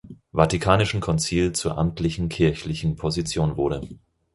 Vatikanischen Konzil zur amtlichen kirchlichen Position wurde.